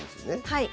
はい。